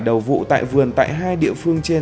đầu vụ tại vườn tại hai địa phương trên